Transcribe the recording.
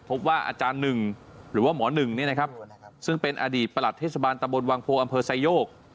พบว่าอาจารย์หนึ่งหรือว่าหมอหนึ่งนี่นะครับซึ่งเป็นอดีตประหลัดเทศบาลตะบนวังโพอำเภอไซโยก